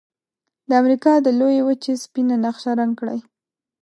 د امریکا د لویې وچې سپینه نقشه رنګ کړئ.